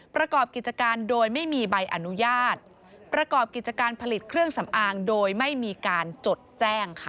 ประกอบกิจการโดยไม่มีใบอนุญาตประกอบกิจการผลิตเครื่องสำอางโดยไม่มีการจดแจ้งค่ะ